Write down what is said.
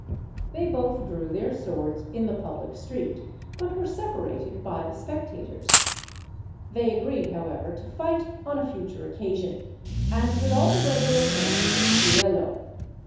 They both drew their swords in the public street, but were separated by the spectators. They agreed, however, to fight on a future occasion, and with all the regular forms of the duello.